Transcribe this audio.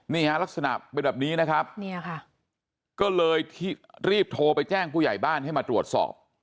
นี่ฮะลักษณะเป็นแบบนี้นะครับเนี่ยค่ะก็เลยที่รีบโทรไปแจ้งผู้ใหญ่บ้านให้มาตรวจสอบ